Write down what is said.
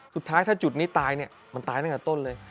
สุดท้ายถ้าจุดนี้ตายเนี่ยมันตายตั้งแต่ต้นเลย